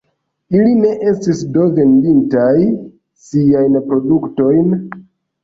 Ili ne estis do vendintaj siajn produktojn?